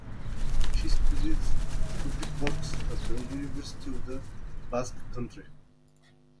She studied Public Works at the University of the Basque Country.